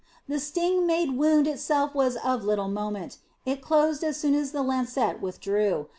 The sting made wound itself was of little moment; it closed as soon as the lancet withdrew.